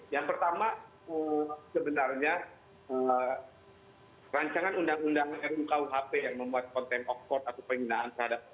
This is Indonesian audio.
yang pertama sebenarnya rancangan undang undang rkuhp yang membuat contempt of court atau penggunaan seadat